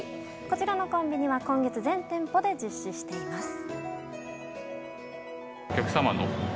こちらのコンビニは今月、全店舗で実施しています。